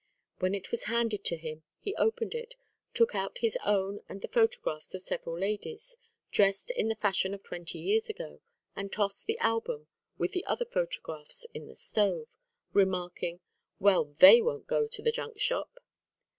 When it was handed to him, he opened it, took out his own and the photographs of several ladies, dressed in the fashion of twenty years ago, and tossed the album, with the other photographs, in the stove, remarking: "Well, they won't go to the junk shop."